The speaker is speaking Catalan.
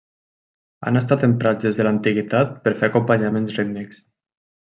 Han estat emprats des de l'antiguitat per fer acompanyaments rítmics.